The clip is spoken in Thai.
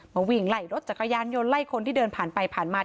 วิ่งไล่รถจักรยานยนต์ไล่คนที่เดินผ่านไปผ่านมา